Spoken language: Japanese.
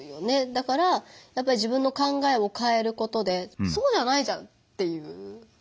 だからやっぱり自分の考えをかえることで「そうじゃないじゃん」っていう。